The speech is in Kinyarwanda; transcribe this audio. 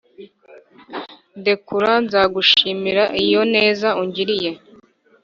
ndekura nzagushimira iyo neza ungiriye.